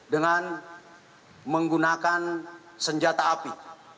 dengan menggunakan senjata api